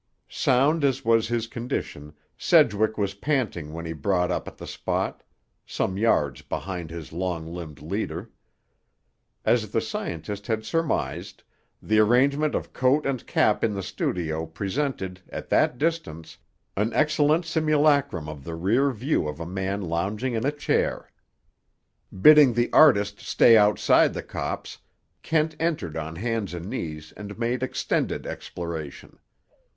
Sound as was his condition, Sedgwick was panting when he brought up at the spot, some yards behind his long limbed leader. As the scientist had surmised, the arrangement of coat and cap in the studio presented, at that distance, an excellent simulacrum of the rear view of a man lounging in a chair. Bidding the artist stay outside the copse, Kent entered on hands and knees and made extended exploration.